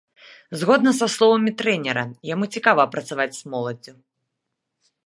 Згодна са словамі трэнера, яму цікава працаваць з моладдзю.